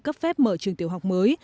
cấp phép mở trường tiểu học mới